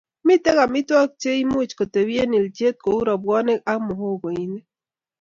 Mitei amitwogik cheimuchi kotebi eng ilchet kou robwonik ak muhogoinik